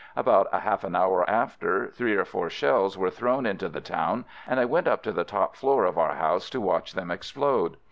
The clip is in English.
About a half an hour after, three or four shells were thrown into the town and I went up to the top floor of our house to watch them explode.